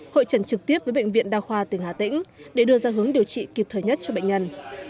hội trần trực tiếp với bệnh viện đa khoa tỉnh hà tĩnh để đưa ra hướng điều trị kịp thời nhất cho bệnh nhân